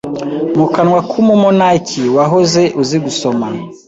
mu kanwa kumu monaki wahoze uzi gusoma